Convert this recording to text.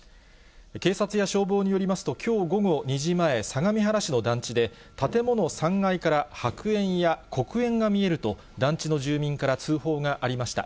警察や消防によりますと、きょう午後２時前、相模原市の団地で、建物３階から白煙や黒煙が見えると、団地の住民から通報がありました。